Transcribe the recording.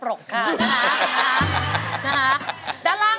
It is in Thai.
ร้องได้ให้ร้อง